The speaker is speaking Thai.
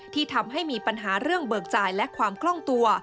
ที่ทำให้มีปัญหาเรื่องเบิกจ่ายและความคล่องตัว